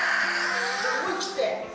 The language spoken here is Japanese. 思い切って。